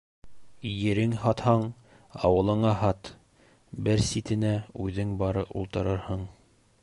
Ерең һатһаң, ауылыңа һат: бер ситенә үҙең бары ултырырһың.